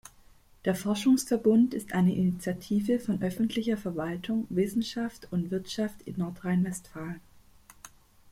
Der Forschungsverbund ist eine Initiative von öffentlicher Verwaltung, Wissenschaft und Wirtschaft in Nordrhein-Westfalen.